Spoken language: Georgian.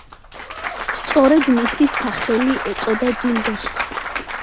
სწორედ მისი სახელი ეწოდა ჯილდოს.